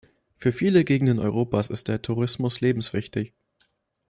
Für viele Gegenden Europas ist der Tourismus lebenswichtig.